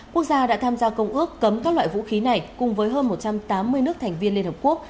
quốc gia đã tham gia công ước cấm các loại vũ khí này cùng với hơn một trăm tám mươi nước thành viên liên hợp quốc